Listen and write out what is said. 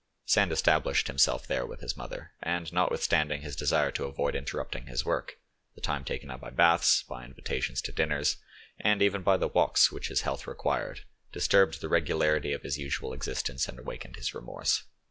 Sand established himself there with his mother, and notwithstanding his desire to avoid interrupting his work, the time taken up by baths, by invitations to dinners, and even by the walks which his health required, disturbed the regularity of his usual existence and awakened his remorse.